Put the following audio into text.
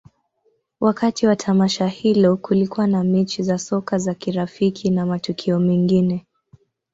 Wakati wa tamasha hilo, kulikuwa na mechi za soka za kirafiki na matukio mengine.